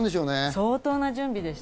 相当な準備でした。